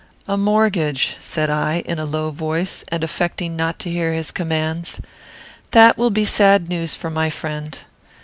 "A mortgage," said I, in a low voice, and affecting not to hear his commands; "that will be sad news for my friend.